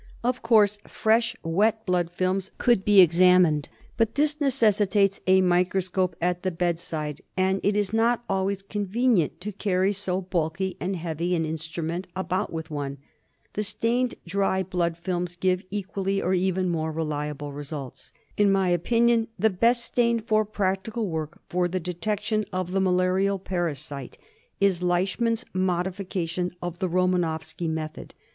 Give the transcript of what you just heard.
Of course fresh wet blood films could be examined ; but this neces DIAGNOSIS OF MALARIA. 163 sitates a microscope at the bedside, and it is not always convenient to carry so bulky and heavy an instrument about with one. The stained dry blood films give equally, or even more, reliable results. In my opinion the best stain for practical work for the detection of the malarial parasite is Leishman's modifi cation of the Romanowsky method.